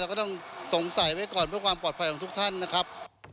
ก็ต้องสงสัยไว้ก่อนเพื่อความปลอดภัยของทุกท่านนะครับ